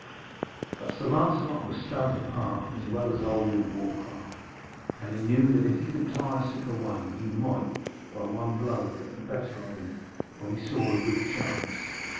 But Sir Lancelot was stout of heart as well as old in warcraft, and knew that if he could tire Sir Gawaine he might, by one blow, get the better of him when he saw a good chance.